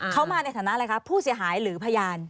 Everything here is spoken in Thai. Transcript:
เขามาในฐานะอะไรคะผู้เสียหายหรือพยาน